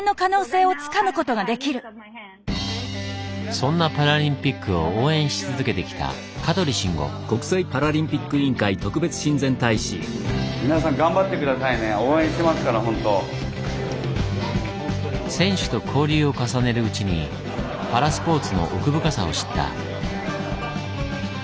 そんなパラリンピックを応援し続けてきた選手と交流を重ねるうちにパラスポーツの奥深さを知った。